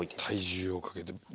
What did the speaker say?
体重をかけて。